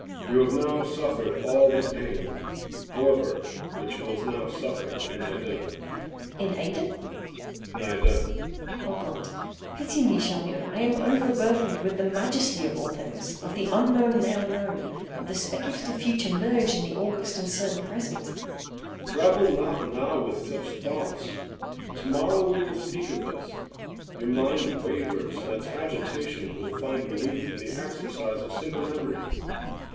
You have now suffered all of pain, however, which you will suffer in Aidenn. EIROS. In Aidenn? CHARMION. In Aidenn. EIROS. Oh God!—pity me, Charmion!—I am overburthened with the majesty of all things—of the unknown now known—of the speculative Future merged in the august and certain Present. CHARMION. Grapple not now with such thoughts. To morrow we will speak of this. Your mind wavers, and its agitation will find relief in the exercise of simple memories.